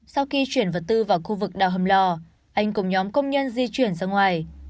sau khi chuyển vật tư vào khu vực đào hầm lò anh cùng nhóm công nhân di chuyển ra ngoài